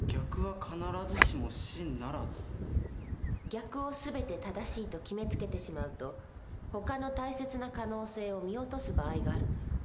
逆を全て正しいと決めつけてしまうとほかの大切な可能性を見落とす場合があるのよ。